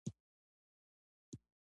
آیا د چیستانونو ځوابول د هوښیارۍ نښه نه ده؟